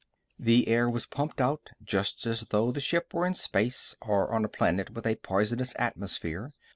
The air was pumped out, just as though the ship were in space or on a planet with a poisonous atmosphere.